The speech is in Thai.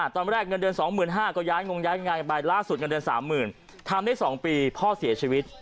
เงินเดือน๒๕๐๐ก็ย้ายงงย้ายงานกันไปล่าสุดเงินเดือน๓๐๐๐ทำได้๒ปีพ่อเสียชีวิต